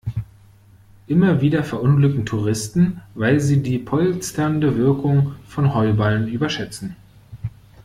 Immer wieder verunglücken Touristen, weil sie die polsternde Wirkung von Heuballen überschätzen.